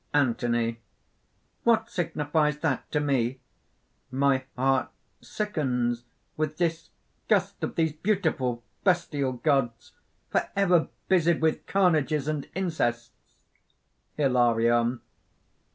ANTHONY. "What signifies that to me! My heart sickens with disgust of these beautiful bestial gods, forever busied with carnages and incests!" HILARION.